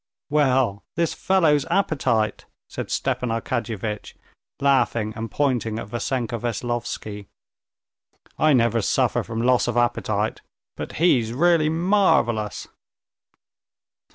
"Well, this fellow's appetite!" said Stepan Arkadyevitch, laughing and pointing at Vassenka Veslovsky. "I never suffer from loss of appetite, but he's really marvelous!..."